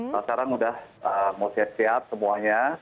sekarang sudah mau siap siap semuanya